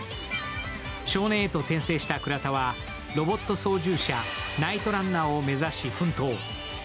少年へと転生した倉田はロボット操縦者、騎操士を目指し奮闘。